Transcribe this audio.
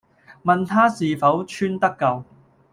問她是否穿得夠？